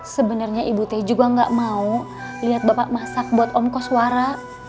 sebenernya ibu teh juga gak mau liat bapak masak buat om koswara